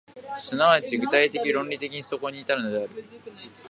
即ち具体的論理的にそこに至るのである。